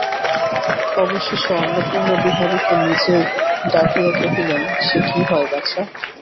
অবশেষে অন্নপূর্ণা বিহারীকে নিজে ডাকিয়া কহিলেন, সে কি হয় বাছা।